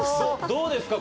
どうですか？